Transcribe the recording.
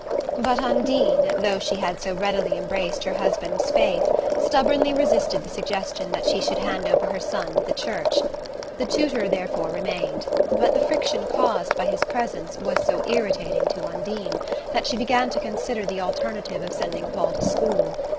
But Undine, though she had so readily embraced her husband's faith, stubbornly resisted the suggestion that she should hand over her son to the Church. The tutor therefore remained; but the friction caused by his presence was so irritating to Undine that she began to consider the alternative of sending Paul to school.